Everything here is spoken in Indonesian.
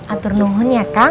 atur nunghun ya kak